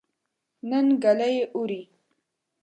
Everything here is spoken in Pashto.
نن ګلۍ اوري